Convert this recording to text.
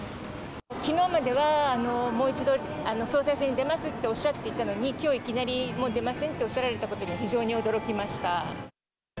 きのうまではもう一度、総裁選に出ますっておっしゃってたのに、きょういきなり、もう出ませんっておっしゃられたことに非常に驚きました。